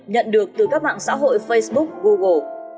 nhận được từ các mạng xã hội facebook google